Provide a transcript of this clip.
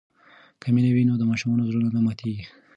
که مینه وي نو د ماشوم زړه نه ماتېږي.